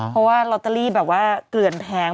เพราะว่าลอตเตอรี่แบบว่าเกลื่อนแพง